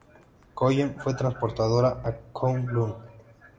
Colleen fue transportada a K'un-L'un.